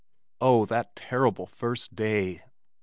Oh, that terrible first day!